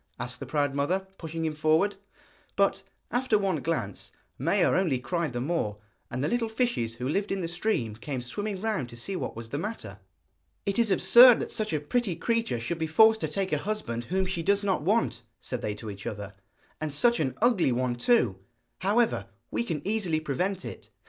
asked the proud mother, pushing him forward. But, after one glance, Maia only cried the more; and the little fishes who lived in the stream came swimming round to see what was the matter. 'It is absurd that such a pretty creature should be forced to take a husband whom she does not want,' said they to each other. 'And such an ugly one too! However, we can easily prevent it.'